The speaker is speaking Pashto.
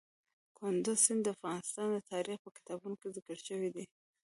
کندز سیند د افغان تاریخ په کتابونو کې ذکر شوی دی.